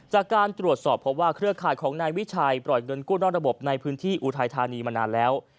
จากการตรวจสอบเพราะว่าเครือข่ายของนายวิชัยปล่อยเงินกู้นอกระบบในพื้นที่อุทัยธานีมานานแล้ว